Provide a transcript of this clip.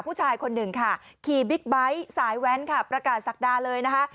ผู้ชายคนหนึ่งค่ะขี่บิ๊กไบท์สายแว้นค่ะประกาศศักดาเลยนะคะ